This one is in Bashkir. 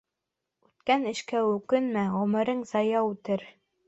Үткән эшкә үкенмә: ғүмерең зая үтер.